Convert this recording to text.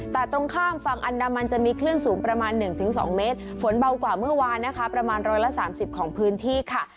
แต่ตรงข้ามฝั่งอันดามันจะมีคลื่นสูงประมาณ๑๒เมตรฝนเบากว่าเมื่อวานนะคะประมาณ๑๓๐ของพื้นที่ค่ะ